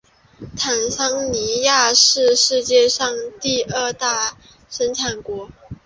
坦桑尼亚是世界上第二大生产国。